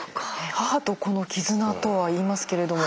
母と子の絆とはいいますけれども。